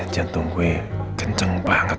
jantung gue kenceng banget